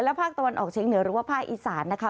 ภาคตะวันออกเชียงเหนือหรือว่าภาคอีสานนะคะ